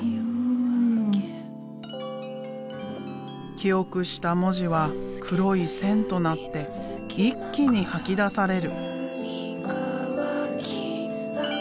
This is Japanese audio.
記憶した文字は黒い線となって一気に吐き出される。